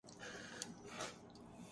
خیر دونوں کے اجتماع میں ہے۔